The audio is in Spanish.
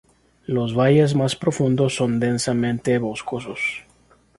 Los valles más profundos son densamente boscosos.